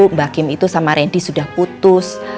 mbak kim itu sama randy sudah putus